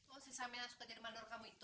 oh si samin yang suka jadi mandor kamu itu